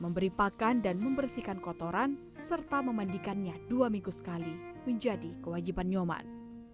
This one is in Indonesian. memberi pakan dan membersihkan kotoran serta memandikannya dua minggu sekali menjadi kewajiban nyoman